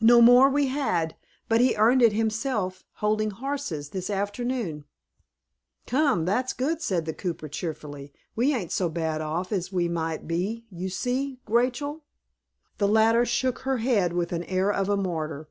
"No more we had, but he earned it himself, holding horses, this afternoon." "Come, that's good," said the cooper, cheerfully, "We ain't so bad off as we might be, you see, Rachel." The latter shook her head with the air of a martyr.